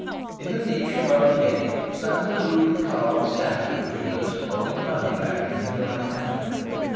In a niche above the gate stands a rudely carved statue of Judas, holding a money bag in his right hand.